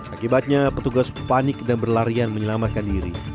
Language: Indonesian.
akibatnya petugas panik dan berlarian menyelamatkan diri